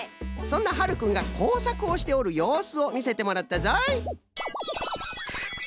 そんなはるくんがこうさくをしておるようすをみせてもらったぞい。